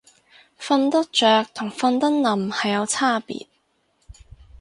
瞓得着同瞓得稔係有差別